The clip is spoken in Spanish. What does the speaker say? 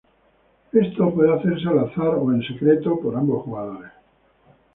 Esto puede hacerse al azar o en secreto por ambos jugadores.